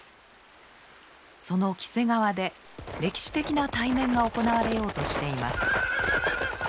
その黄瀬川で歴史的な対面が行われようとしています。